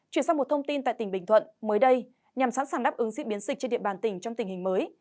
chuyển sang một thông tin tại tỉnh bình thuận mới đây nhằm sẵn sàng đáp ứng diễn biến dịch trên địa bàn tỉnh trong tình hình mới